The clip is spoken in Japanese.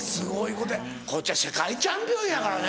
こっちは世界チャンピオンやからね。